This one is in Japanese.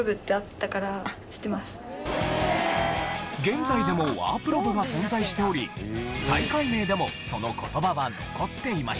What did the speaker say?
現在でもワープロ部が存在しており大会名でもその言葉は残っていました。